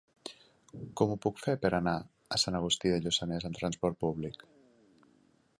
Com ho puc fer per anar a Sant Agustí de Lluçanès amb trasport públic?